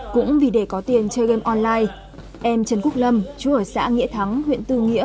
cũng vì để có tiền chơi game online em trần quốc lâm chú ở xã nghĩa thắng huyện tư nghĩa